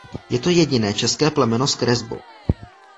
Je to jediné české plemeno s kresbou.